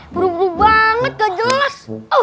peru buru banget gak jelas